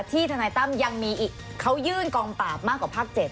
ทนายตั้มยังมีอีกเขายื่นกองปราบมากกว่าภาค๗